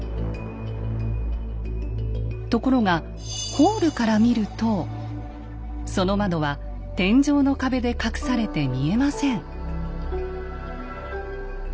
ところがホールから見るとその窓は天井の壁で隠されて見えません。